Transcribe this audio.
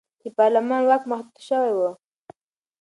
د پارلمان واک محدود شوی و.